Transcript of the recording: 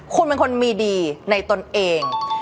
คุณเป็นคนมีดีในตนเอง